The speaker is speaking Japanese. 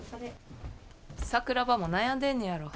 桜庭も悩んでんねやろ。